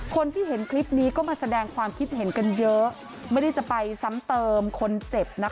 คนที่เห็นคลิปนี้ก็มาแสดงความคิดเห็นกันเยอะไม่ได้จะไปซ้ำเติมคนเจ็บนะคะ